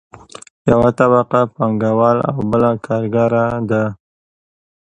یوه طبقه پانګوال او بله کارګره ده.